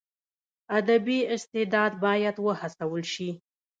ادبي استعداد باید وهڅول سي.